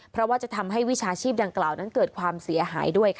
เพราะว่าจะทำให้วิชาชีพดังกล่าวนั้นเกิดความเสียหายด้วย